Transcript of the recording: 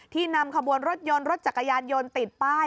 นำขบวนรถยนต์รถจักรยานยนต์ติดป้าย